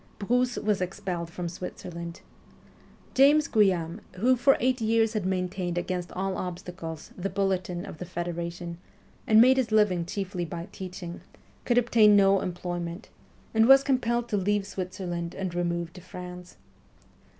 Brousse was expelled from Switzerland. James Guillaume, who for eight years had maintained against all obstacles the ' Bulletin ' of the federation, and made his living chiefly by teaching, could obtain no employment, and was compelled to leave Switzerland and remove to France.